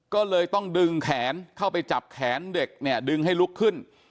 ก็เลยต้องดึงแขนเข้าไปจับแขนเด็กเนี่ยดึงให้ลุกขึ้น